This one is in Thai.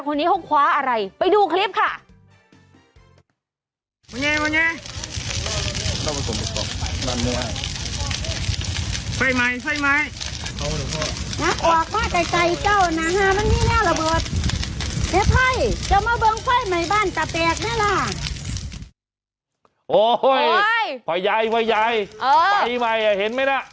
โอ้ยยยภ่ายายภ่ายายเออไฟไมส์อ่ะเห็นไหมหละ